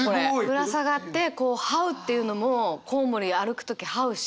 ぶら下がってはうっていうのもコウモリ歩く時はうし。